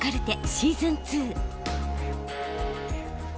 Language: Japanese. シーズン２。